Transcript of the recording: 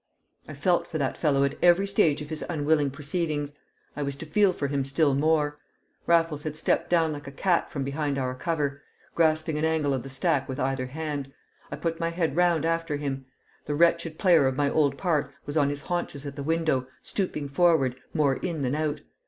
I felt for that fellow at every stage of his unwilling proceedings. I was to feel for him still more. Raffles had stepped down like a cat from behind our cover; grasping an angle of the stack with either hand, I put my head round after him. The wretched player of my old part was on his haunches at the window, stooping forward, more in than out.